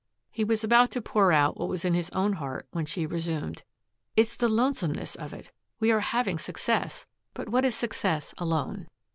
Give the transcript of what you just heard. He was about to pour out what was in his own heart when she resumed, "It's the lonesomeness of it. We are having success. But, what is success alone?"